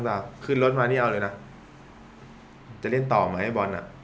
ถึงรถมานี่เอาเลยนะจะเล่นต่อไหมให้บอลน่ะ